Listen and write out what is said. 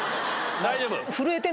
大丈夫？